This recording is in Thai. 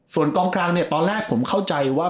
ส่วนกองกลางเนี่ยตอนแรกผมเข้าใจว่า